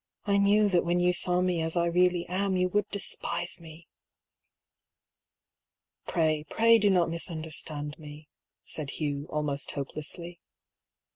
"I knew that when you saw me as I really am, you would despise me !"" Pray, pray do not misunderstand me," said Hugh, almost hopelessly.